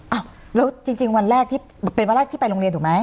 อ้าวแล้วจริงวันแรกที่เป็นวันแรกที่ไปโรงเรียนถูกไหม